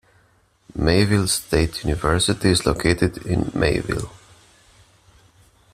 Mayville State University is located in Mayville.